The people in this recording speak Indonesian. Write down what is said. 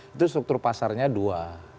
itu struktur pasarnya dua